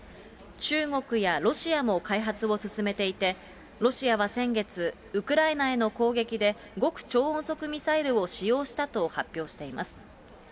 中国やロシアも開発を進めていて、ロシアは先月、ウクライナへの攻撃で極超音速ミサイルを使用したと発表しています。